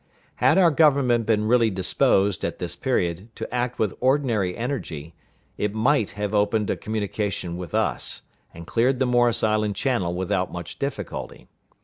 Had our Government been really disposed, at this period, to act with ordinary energy, it might have opened a communication with us, and cleared the Morris Island channel without much difficulty.